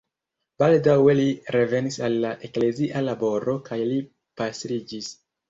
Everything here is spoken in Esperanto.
Baldaŭe li revenis al la eklezia laboro kaj li pastriĝis.